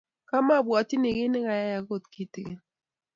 Kimabwatchi kit ne kiyaak agot kitogin